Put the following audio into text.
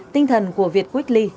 tinh thần của việt weekly